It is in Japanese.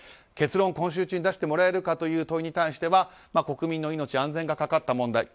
結論を今週中に出してもらえるかという問いに対しては国民の命、安全がかかった問題。